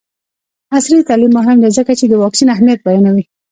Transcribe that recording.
عصري تعلیم مهم دی ځکه چې د واکسین اهمیت بیانوي.